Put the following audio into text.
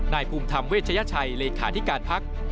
ภูมิธรรมเวชยชัยเลขาธิการพัก